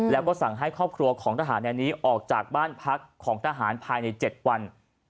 แล้วก็สั่งให้ครอบครัวของทหารในนี้ออกจากบ้านพักของทหารภายใน๗วัน